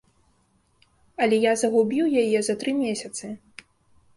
Але я загубіў яе за тры месяцы.